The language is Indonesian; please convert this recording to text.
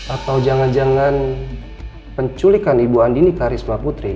atau jangan jangan penculikan ibu andini karisma putri